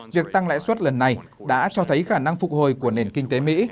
việc tăng lãi suất lần này đã cho thấy khả năng phục hồi của nền kinh tế mỹ